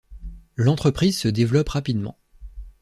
L'entreprise se développe rapidement.